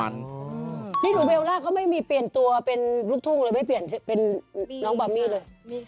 นี่หนูเบลล่าเขาไม่มีเปลี่ยนตัวเป็นลูกทุ่งเลยไม่เปลี่ยนเป็นน้องบัมมี่เลย